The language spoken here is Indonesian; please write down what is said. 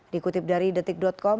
dikutip dari detik com